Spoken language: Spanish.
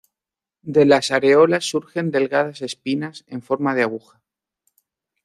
De las areolas surgen delgadas espinas en forma de aguja.